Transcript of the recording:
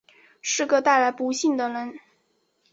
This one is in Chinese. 是个带来不幸的人